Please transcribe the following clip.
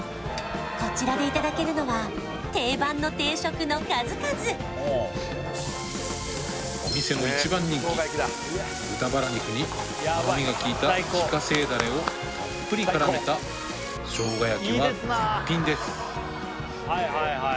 こちらでいただけるのは定番の定食の数々お店の一番人気豚バラ肉に甘みがきいた自家製ダレをたっぷり絡めたしょうが焼は絶品です